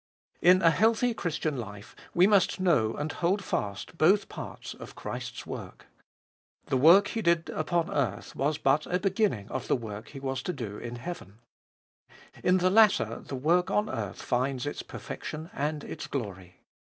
In a healthy Christian life we must know and hold fast both parts of Christ's work. The work He did upon earth was but a beginning of the work He was to do in heaven ; in the latter the work on earth finds its perfection and its glory.